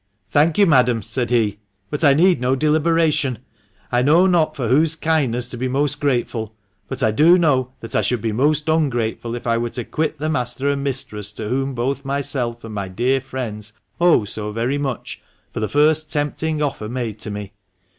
"Thank you, madam," said he, "but I need no deliberation. I know not for whose kindness to be most grateful ; but I do know that I should be most ungrateful if I were to quit the master and mistress to whom both myself and my dear friends owe so very much for the first tempting offer made to me.